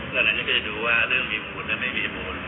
ตอนนั้นก็จะดูว่าเรื่องมีมูลหรือไม่มีมูล